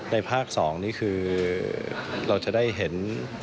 ภาค๒นี่คือเราจะได้เห็น